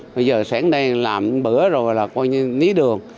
bây giờ sáng nay làm bữa rồi là coi như ní đường